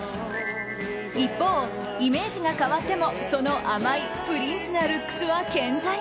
一方、イメージが変わってもその甘いプリンスなルックスは健在。